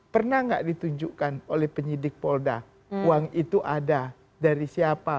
pernah nggak ditunjukkan oleh penyidik polda uang itu ada dari siapa